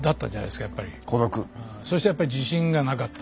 そしてやっぱり自信がなかった。